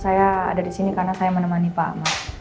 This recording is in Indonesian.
saya ada di sini karena saya menemani pak